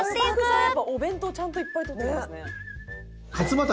「スタッフさんお弁当ちゃんといっぱい取っていきますね」